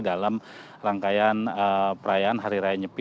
dalam rangkaian perayaan hari raya nyepi